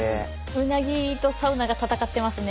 うなぎとサウナが戦ってますね。